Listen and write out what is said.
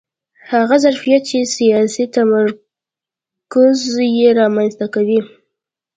هغه ظرفیت چې سیاسي تمرکز یې رامنځته کوي